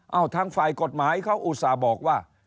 เอาทางฝ่ายกฎหมายเขาอุตส่าห์บอกว่า